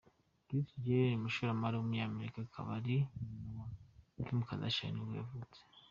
Kris Jenner, umushoramari w’umunyamerika akaba ari nyina wa ba Kim Kardashian nibwo yavutse.